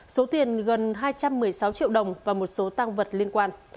số tiền gần hai trăm một mươi sáu triệu đồng và một số tăng vật liên quan